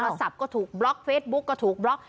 ศัพท์ก็ถูกบล็อกเฟซบุ๊กก็ถูกบล็อก